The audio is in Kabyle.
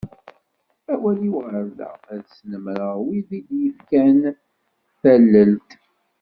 Awal-iw ɣer da, ad snemmreɣ wid d tid i yi-d-yefkan tallelt.